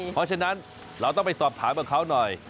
เพราะฉะนั้นเราต้องไปสอบถามกับเขาหน่อย